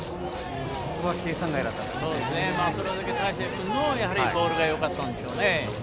それだけ鈴木泰成君のボールがよかったんでしょうね。